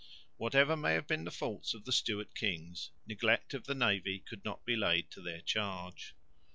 Whatever may have been the faults of the Stewart kings, neglect of the navy could not be laid to their charge.